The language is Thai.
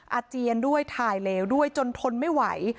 อาเจียนด้วยถ่ายเหลวด้วยจนทนไม่ไหว